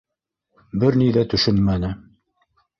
Бер ни ҙә төшөнмәне.